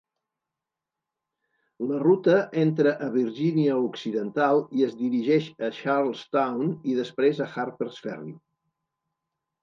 La ruta entra a Virgínia Occidental i es dirigeix a Charles Town i després a Harpers Ferry.